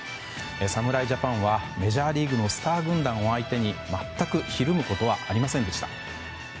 侍ジャパンは、メジャーリーグのスター軍団を相手に全くひるむことはありませんでした。